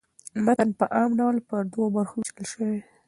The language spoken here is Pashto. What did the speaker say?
متن په عام ډول پر دوو برخو وېشل سوی.